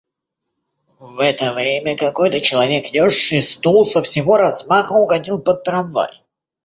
В это время какой-то человек, нёсший стул, со всего размаха угодил под трамвай.